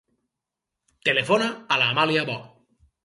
Telefona a l'Amàlia Boo.